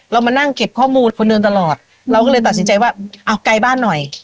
มานั่งเก็บข้อมูลคนเดินตลอดเราก็เลยตัดสินใจว่าเอาไกลบ้านหน่อย